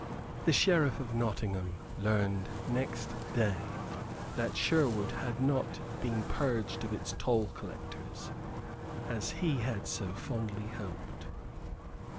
The Sheriff of Nottingham learned next day that Sherwood had not been purged of its toll collectors, as he had so fondly hoped.